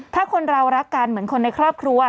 ถ้าคนเรารักกันเหมือนคนในครอบครัว